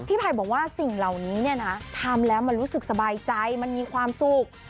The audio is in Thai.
ไผ่บอกว่าสิ่งเหล่านี้เนี่ยนะทำแล้วมันรู้สึกสบายใจมันมีความสุข